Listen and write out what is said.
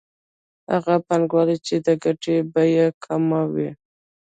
هغه پانګوال چې د ګټې بیه یې کمه وي